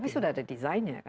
tapi sudah ada desainnya kan